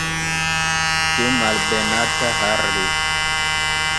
Tiu malbenata Harris!